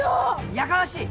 やかましい。